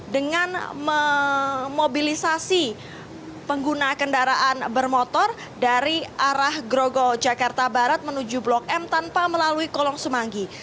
dengan memobilisasi pengguna kendaraan bermotor dari arah grogol jakarta barat menuju blok m tanpa melalui kolong semanggi